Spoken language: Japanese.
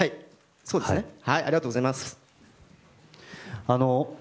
ありがとうございます。